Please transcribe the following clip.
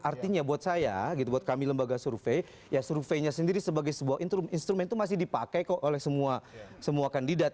artinya buat saya gitu buat kami lembaga survei ya surveinya sendiri sebagai sebuah instrumen itu masih dipakai kok oleh semua kandidat